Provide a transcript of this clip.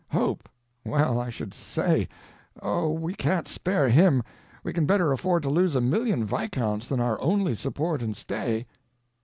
"Hope! Well, I should say! Oh, we can't spare him! We can better afford to lose a million viscounts than our only support and stay."